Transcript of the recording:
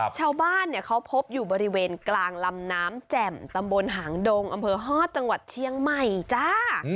ชาวบ้านเขาพบอยู่บริเวณกลางลำน้ำแจ่มตำบลหางดงอำเภอฮอตจังหวัดเชียงใหม่จ้า